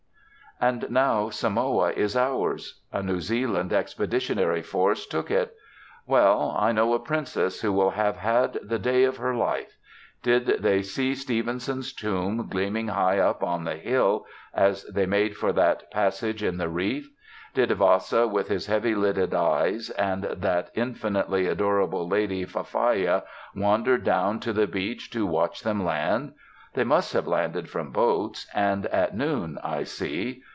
And now Samoa is ours. A New Zealand Expeditionary Force took it. Well, I know a princess who will have had the day of her life. Did they see Stevenson's tomb gleaming high up on the hill, as they made for that passage in the reef? Did Vasa, with his heavy lidded eyes, and that infinitely adorable lady Fafaia, wander down to the beach to watch them land? They must have landed from boats; and at noon, I see.